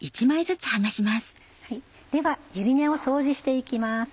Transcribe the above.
ではゆり根を掃除して行きます。